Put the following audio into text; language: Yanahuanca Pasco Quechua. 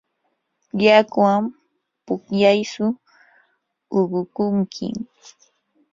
yakuwan pukllaytsu uqukunkim.